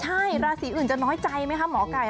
ใช่ราศีอื่นจะน้อยใจไหมคะหมอไก่